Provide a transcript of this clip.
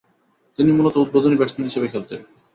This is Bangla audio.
তিনি মূলতঃ উদ্বোধনী ব্যাটসম্যান হিসেবে খেলতেন।